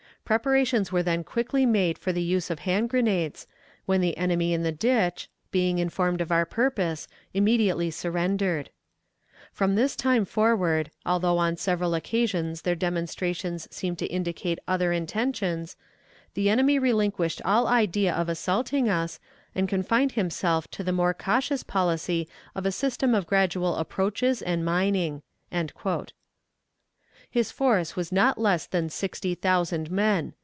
Preparations were then quickly made for the use of hand grenades, when the enemy in the ditch, being informed of our purpose, immediately surrendered. "From this time forward, although on several occasions their demonstrations seemed to indicate other intentions, the enemy relinquished all idea of assaulting us, and confined himself to the more cautious policy of a system of gradual approaches and mining." His force was not less than sixty thousand men.